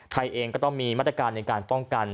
ไทยเองก็ต้องมีมาตรการในการป้องกัน